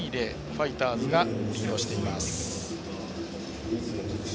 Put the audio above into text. ファイターズがリードしています。